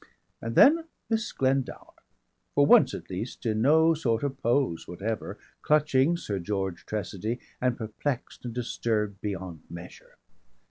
And then Miss Glendower, for once at least in no sort of pose whatever, clutching "Sir George Tressady" and perplexed and disturbed beyond measure.